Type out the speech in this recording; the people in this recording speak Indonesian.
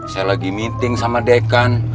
saya lagi meeting sama dekan